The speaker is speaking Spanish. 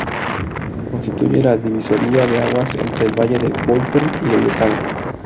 Constituye la divisoria de aguas entre el valle del Volturno y el del Sangro.